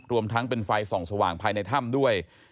รวมทั้งเป็นไฟส่องสว่างภายในถ้ำด้วย